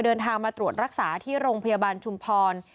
เดินทางมาตรวจรักษาที่โรงพยาบาลชุมพร